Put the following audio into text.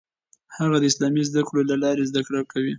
هغه د اسلامي زده کړو له لارې زده کړه کوي.